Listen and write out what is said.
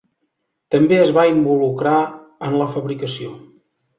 També es va involucrar en la fabricació.